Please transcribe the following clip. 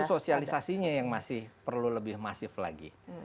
tapi sosialisasinya yang masih perlu lebih masif lagi